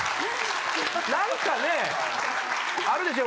なんかねあるでしょ？